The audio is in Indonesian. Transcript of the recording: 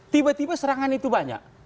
tiba tiba serangan itu banyak